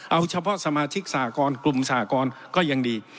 เอาเฉพาะสมาชิกสหกรกลุ่มสากรก็ยังดี